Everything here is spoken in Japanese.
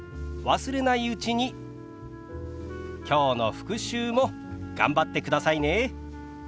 忘れないうちにきょうの復習も頑張ってくださいね。